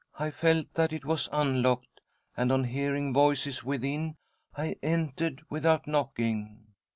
I felt that it was unlocked, . and, on hearing voices within, I entered without knocking.